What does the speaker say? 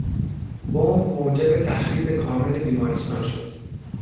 بمب موجب تخریب کامل بیمارستان شد.